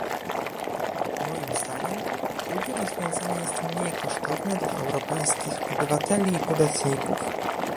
Moim zdaniem, drugie rozwiązanie jest mniej kosztowne dla europejskich obywateli i podatników